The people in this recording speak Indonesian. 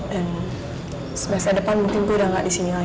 dan semester depan mungkin gue udah gak di sini lagi